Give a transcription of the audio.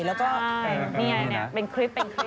แล้วก็เป็นโคล์แล้วก็ในนี่นะเป็นคลิป